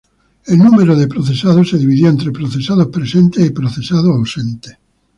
El número de procesados se dividió entre procesados presentes y procesados ausentes.